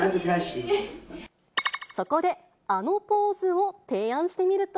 そこであのポーズを提案してみると。